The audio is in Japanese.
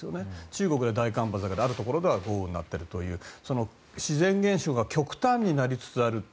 中国で大干ばつとかあるところでは豪雨になっていると天気が極端になりつつある。